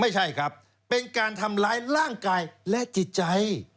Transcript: ไม่ใช่ครับเป็นการทำร้ายร่างกายและจิตใจ